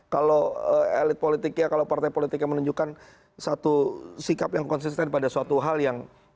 kalau elit politiknya kalau partai politiknya menunjukkan satu sikap yang konsisten pada suatu hal yang menurut mereka itu tidak ada sikap yang firm